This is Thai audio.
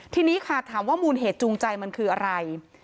ทีนี้ค่ะถามว่ามูลเหตุจูงใจมันคืออะไร